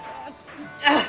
あっ！